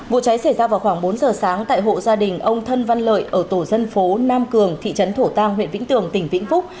vụ cháy xảy ra vào khoảng bốn giờ sáng tại hộ gia đình ông thân văn lợi ở tổ dân phố nam cường thị trấn thổ tàng huyện vĩnh tường tỉnh vĩnh phúc